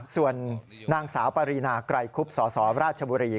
ส่วนนางสาวปรีนาไกรคุบสสราชบุรี